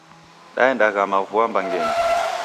Daenda ghama vua mbangenyi.